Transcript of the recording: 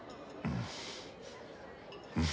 うん。